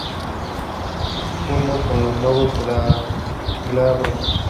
Culmos con los nodos glabros.